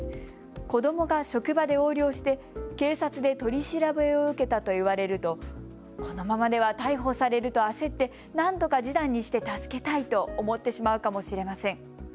子どもが職場で横領して警察で取り調べを受けたと言われるとこのままでは逮捕されると焦ってなんとか示談にして助けたいと思ってしまうかもしれません。